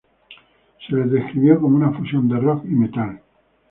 Se les describió como una fusión de rock y metal.